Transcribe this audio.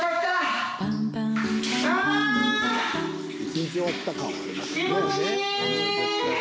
影終わった感はありますよね。